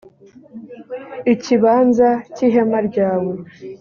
ikibanza cy’ihema ryawe.